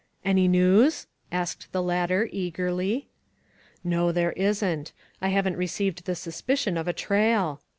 "Any news?" asked the latter, eagerly. " No, there isn't. I haven't received the suspicion of a trail.